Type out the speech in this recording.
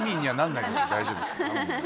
大丈夫です。